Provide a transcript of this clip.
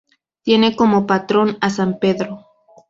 Tiene como patrón a San Pedro.